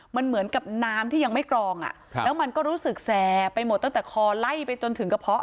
มันเหมือนกับน้ำที่ยังไม่กรองแล้วมันก็รู้สึกแสไปหมดตั้งแต่คอไล่ไปจนถึงกระเพาะ